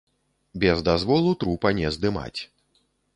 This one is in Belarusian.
Без дазволу трупа не здымаць.